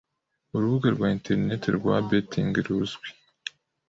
urubuga rwa internet rwa 'betting' ruzwi